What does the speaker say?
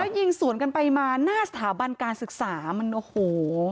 ยิงสวนกันไปมาหน้าสถาบันการศึกษามันโอ้โห